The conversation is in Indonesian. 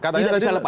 tidak bisa lepas